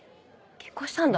結婚したんだ。